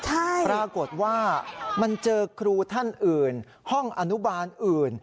ปรากฏว่ามันเจอครูท่านอื่นห้องอนุบาลอื่น